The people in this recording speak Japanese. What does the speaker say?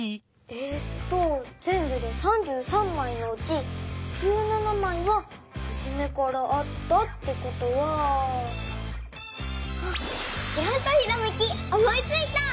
えっとぜんぶで３３まいのうち１７まいははじめからあったってことはきらんとひらめき思いついた！